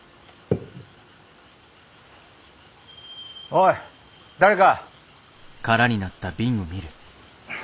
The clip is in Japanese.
おい誰か。